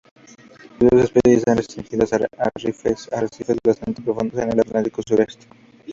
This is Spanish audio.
Sus dos especies están restringidas a arrecifes bastante profundos en el Atlántico Sureste.